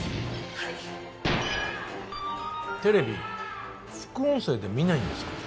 はいテレビ副音声で見ないんですか？